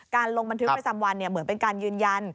ลงบันทึกประจำวันเหมือนเป็นการยืนยัน